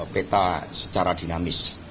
beta secara dinamis